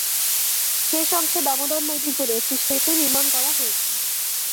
শেষ অংশে দামোদর নদী জুড়ে একটি সেতু নির্মাণ করা হয়েছে।